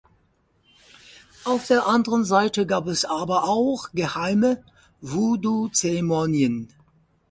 Auf der anderen Seite gab es aber auch geheime Voodoo-Zeremonien.